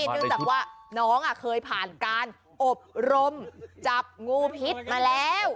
เนื่องจากว่าน้องเคยผ่านการอบรมจับงูพิษมาแล้ว